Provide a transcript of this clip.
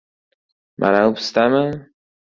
— Manavi pistami?